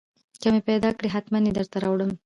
که مې پېدا کړې حتمن يې درته راوړم.